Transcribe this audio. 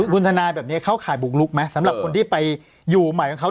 คุณทนายแบบนี้เข้าข่ายบุกลุกไหมสำหรับคนที่ไปอยู่ใหม่ของเขา